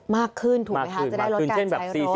มากขึ้นถูกไหมคะจะได้ลดการใช้รถ